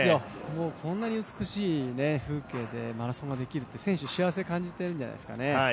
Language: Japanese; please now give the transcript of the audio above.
こんなに美しい風景でマラソンができるって選手、幸せ感じているんじゃないですかね。